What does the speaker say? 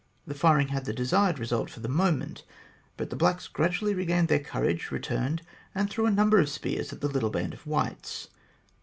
The firing had the desired result for the moment, but the blacks gradually regained their courage, returned, and threw a number of spears at the little band of whites.